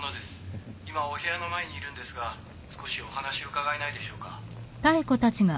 今お部屋の前にいるんですが少しお話伺えないでしょうか？